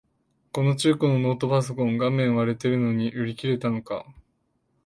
この中古のノートパソコン、画面割れてるのに売り切れたのか